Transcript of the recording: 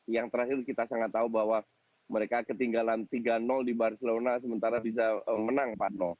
yang terakhir kita sangat tahu bahwa mereka ketinggalan tiga di barcelona sementara bisa menang empat